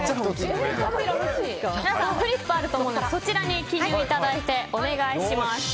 皆さん、フリップあると思うのでそちらに記入いただいてお願いします。